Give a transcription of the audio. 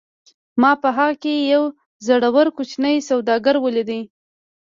ما په هغه کې یو زړور کوچنی سوداګر ولید